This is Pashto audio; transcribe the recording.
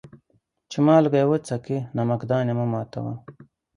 چي مالگه يې وڅکې ، نمک دان يې مه ماتوه.